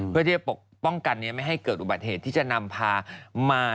เพื่อที่จะปกป้องกันไม่ให้เกิดอุบัติเหตุที่จะนำพามา